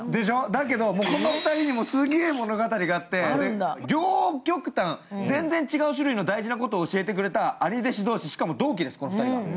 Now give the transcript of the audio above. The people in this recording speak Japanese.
だけど、この２人にもすげえ物語があって両極端、全然違う種類の大事なことを教えてくれた兄弟子同士、しかも同期です、この２人は。